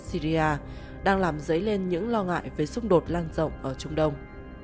syria đang làm dấy lên những lo ngại về xung đột lan rộng ở trung đông